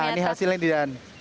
nah ini hasilnya nih dan